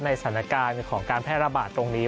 สถานการณ์ของการแพร่ระบาดตรงนี้